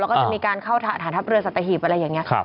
แล้วก็จะมีการเข้าฐานทัพเรือสัตหีบอะไรอย่างนี้